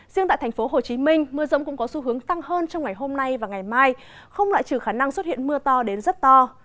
riêng tại thành phố hồ chí minh mưa rộng cũng có xu hướng tăng hơn trong ngày hôm nay và ngày mai không lại trừ khả năng xuất hiện mưa to đến rất to